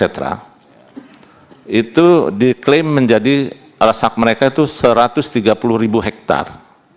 itu diklaim menjadi resak mereka itu satu ratus tiga puluh ribu hektare